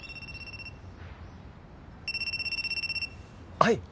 はい！